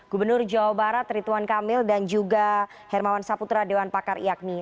gubernur jawa barat rituan kamil dan juga hermawan saputra dewan pakar iakmi